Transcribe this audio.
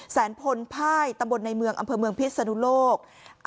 แสนพลภายตำบลในเมืองอำเภอเมืองพิษนุโลก